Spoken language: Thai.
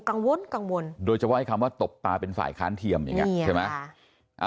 กังวนกังวนโดยจะว่าไอ้คำว่าตบตาเป็นฝ่ายค้านเทียมใช่ไหม